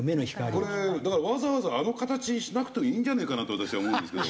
これだからわざわざあの形にしなくてもいいんじゃねえかなって私は思うんですけど。